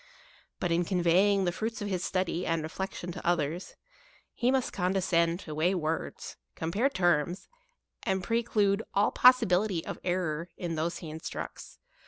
But in conveying the fruits of his study and reflection to others, he must condescend to weigh words, compare terms, and preclude all possibility of errour in those he instructs.